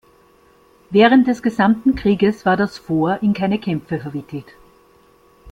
Während des gesamten Krieges war das Fort in keine Kämpfe verwickelt.